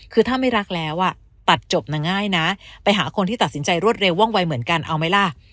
คือถ้าไม่รักแล้วอ่ะตัดจบนะง่ายนะไปหาคนที่ตัดสินใจรวดเร็วว่องวัยเหมือนกันเอาไหมล่ะ